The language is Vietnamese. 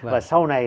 và sau này